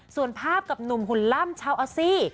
ส่วนภาพกับหนุ่มหุ่นล่ำชาวออซี่